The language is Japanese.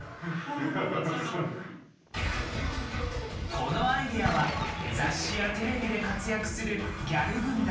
このアイデアは雑誌やテレビで活躍するギャル軍団